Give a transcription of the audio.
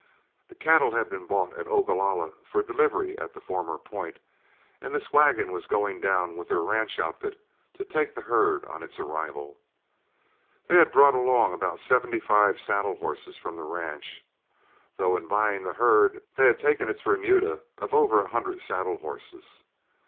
The cattle had been bought at Ogalalla for delivery at the former point, and this wagon was going down with their ranch outfit to take the herd on its arrival. They had brought along about seventy five saddle horses from the ranch, though in buying the herd they had taken its remuda of over a hundred saddle horses.